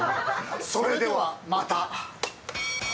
それでは、また。